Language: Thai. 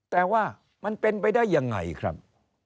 แต่ว่ามันเป็นไปได้ยังไงครับ